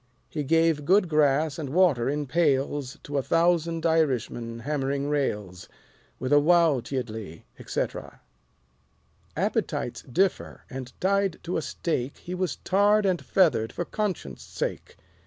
He gave good grass and water in pails To a thousand Irishmen hammering rails. With a wowtyiddly, etc. Appetites differ; and tied to a stake He was tarred and feathered for Conscience' Sake.